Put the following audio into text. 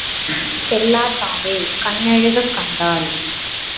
செல்லாத்தாவே கண்ணழுகக் கண்டாள்.